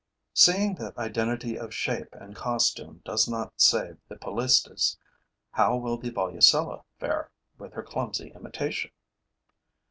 Seeing that identity of shape and costume does not save the Polistes, how will the Volucella fare, with her clumsy imitation?